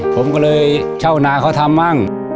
ผมก็เลยเช่านาเขาทำบ้าง